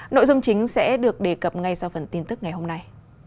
nội dung chính sẽ được đề cập ngay sau phần tin tức ngày hôm nay